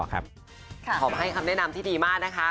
ขอให้คำแนะนำที่ดีมากนะคะ